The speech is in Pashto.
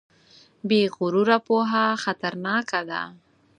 بې غروره پوهه خطرناکه ده.